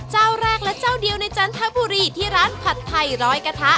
เจ้าแรกและเจ้าเดียวในจันทบุรีที่ร้านผัดไทยร้อยกระทะ